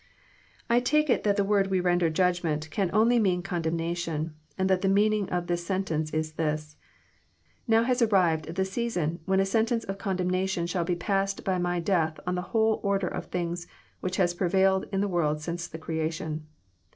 I take it that the word we render '* judgment " can only mean condemnation, and that the meaning of the sentence Is this :Now has arrived the season when a sentence of condemnation shall be passed by my death on the whole order of things which has prevailed In the world since the creation.